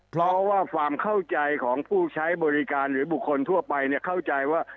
เพราะว่าความเข้าใจของผู้ใช้บริการหรือบุคคลทั่วไปเข้าใจว่า